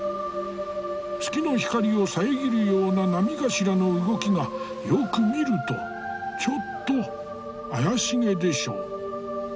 月の光を遮るような波頭の動きがよく見るとちょっと怪しげでしょ。